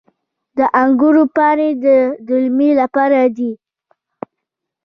د انګورو پاڼې د دلمې لپاره دي.